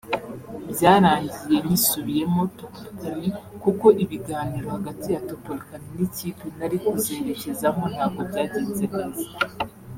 Byarangiye nyisubiyemo (Topolcany) kuko ibiganiro hagati ya Topolcany n’ikipe nari kuzerecyezamo ntabwo byagenze neza